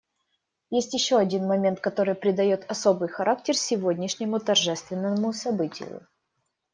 Есть еще один момент, который придает особый характер сегодняшнему торжественному событию.